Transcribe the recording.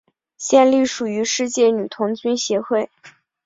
现隶属于世界女童军协会。